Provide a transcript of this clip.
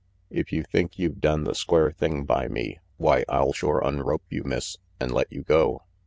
If you think you've done the square thing by me, why I'll shore unrope you, Miss, an' let you go.